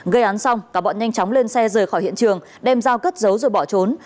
gây án xong cả bọn nhanh chóng lên xe rời khỏi hiện trường đem dao cất giấu rồi bỏ trốn